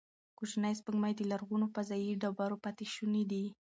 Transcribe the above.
کوچنۍ سپوږمۍ د لرغونو فضايي ډبرو پاتې شوني دي.